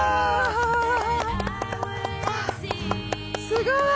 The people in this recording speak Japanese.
すごい！